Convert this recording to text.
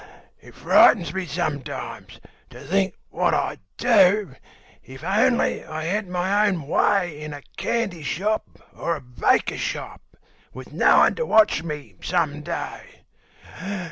It frightens me sometimes, to think what I'd do, If only I had my own way In a candy shop or a baker shop, Witn no one to watch me, some day.